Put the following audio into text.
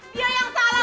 dia yang salah